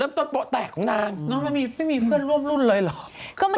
นางอย่างงี้มันคือป๊อก๊อบแตกยังงั้น